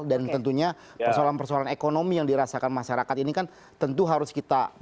dan tentunya persoalan persoalan ekonomi yang dirasakan masyarakat ini kan tentu harus kita mencari